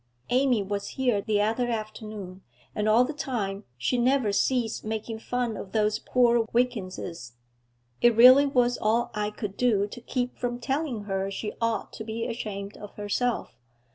'Amy was here the other afternoon, and all the time she never ceased making fun of those poor Wilkinses; it really was all I could do to keep from telling her she ought to be ashamed of herself.